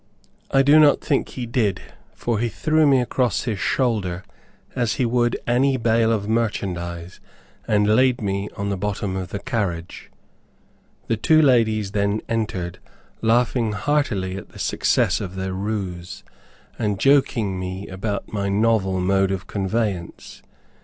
I do not think he did, for he threw me across his shoulder as he would any bale of merchandise, and laid me on the bottom of the carriage. The two ladies then entered, laughing heartily at the success of their ruse, and joking me about my novel mode of conveyance.